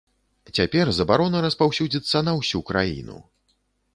Цяпер забарона распаўсюдзіцца на ўсю краіну.